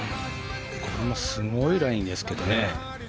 これもすごいラインですけどね。